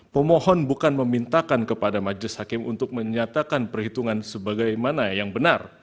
pemohon bukan memintakan kepada majelis hakim untuk menyatakan perhitungan sebagaimana yang benar